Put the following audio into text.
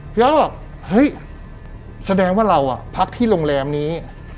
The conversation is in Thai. พี่อ้อยบอกเฮ้ยแสดงว่าเราพักที่โรงแรมนี้